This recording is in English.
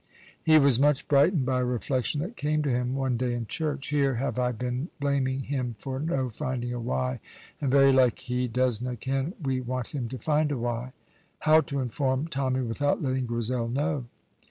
He was much brightened by a reflection that came to him one day in church. "Here have I been near blaming him for no finding a wy, and very like he doesna ken we want him to find a wy!" How to inform Tommy without letting Grizel know?